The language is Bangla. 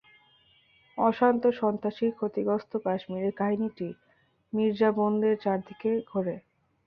অশান্ত সন্ত্রাসী ক্ষতিগ্রস্ত কাশ্মীরের কাহিনীটি মির্জা বোনদের চারদিকে ঘোরে।